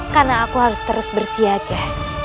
karena aku harus terus bersiaga